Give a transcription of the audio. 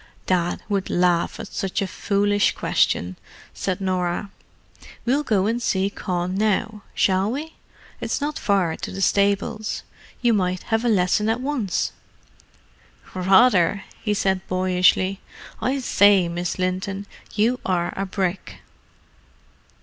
"Dad would laugh at such a foolish question," said Norah. "We'll go and see Con now—shall we? it's not far to the stables. You might have a lesson at once." "Rather!" he said boyishly. "I say, Miss Linton, you are a brick!"